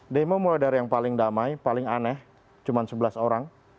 demo mulai dari yang paling damai paling aneh cuma sebelas orang